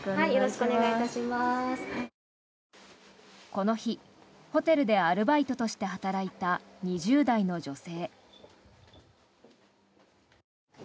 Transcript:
この日、ホテルでアルバイトとして働いた２０代の女性。